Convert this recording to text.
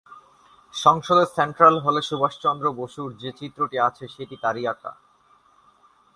সংসদের সেন্ট্রাল হলে সুভাষচন্দ্র বসুর যে চিত্রটি আছে সেটি তারই আঁকা।